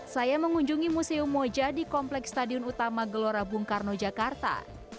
saya mengunjungi museum moja di kompleks stadion utama gelora bung karno jakarta